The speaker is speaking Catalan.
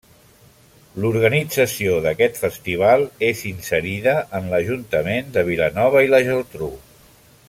L'organització d'aquest festival és inserida en l'Ajuntament de Vilanova i la Geltrú.